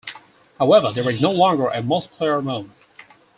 However, there is no longer a multiplayer mode.